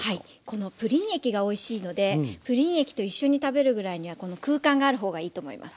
このプリン液がおいしいのでプリン液と一緒に食べるぐらいにはこの空間がある方がいいと思います。